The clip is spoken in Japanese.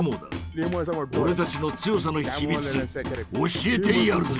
俺たちの強さの秘密教えてやるぜ。